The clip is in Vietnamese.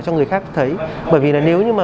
cho người khác thấy bởi vì là nếu như mà